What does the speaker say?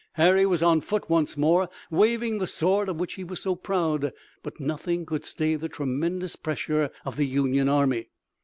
Harry was on foot once more, waving the sword of which he was so proud. But nothing could stay the tremendous pressure of the Union army.